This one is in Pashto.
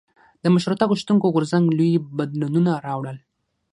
د مشروطه غوښتونکو غورځنګ لوی بدلونونه راوړل.